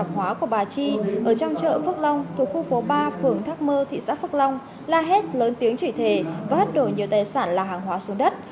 hàng hóa của bà chi ở trong chợ phước long thuộc khu phố ba phường thác mơ thị xã phước long la hét lớn tiếng chỉ thề và hất đổi nhiều tài sản là hàng hóa xuống đất